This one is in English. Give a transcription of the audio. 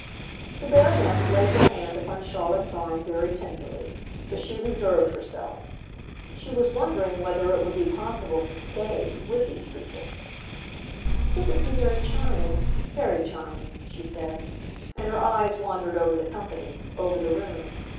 The Baroness laid her hand upon Charlotte's arm very tenderly; but she reserved herself. She was wondering whether it would be possible to "stay" with these people. "It would be very charming—very charming," she said; and her eyes wandered over the company, over the room.